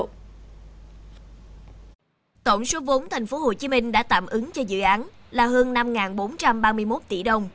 tổng số vốn tp hcm đã tạm ứng cho dự án là hơn năm bốn trăm ba mươi một tỷ đồng